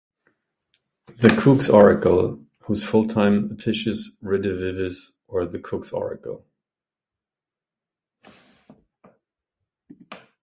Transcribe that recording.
"The Cook's Oracle", whose full title "Apicius Redivivus, or the Cook's Oracle.